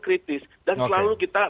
kritis dan selalu kita